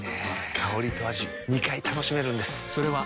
香りと味２回楽しめるんです。